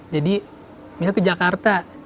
jadi misalnya ke jakarta